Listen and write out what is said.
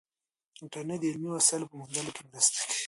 انټرنیټ د علمي وسایلو په موندلو کې مرسته کوي.